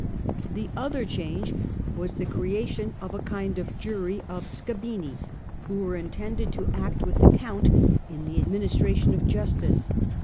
The other change was the creation of a kind of jury of scabini, who were intended to act with the count in the administration of justice.